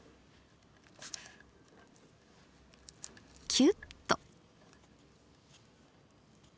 キュッと。